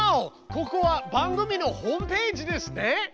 ここは番組のホームページですね。